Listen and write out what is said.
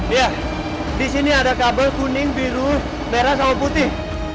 iya disini ada kabel kuning biru merah sama putih